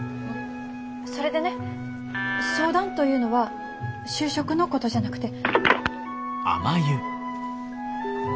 それでね相談というのは就職のことじゃなくて。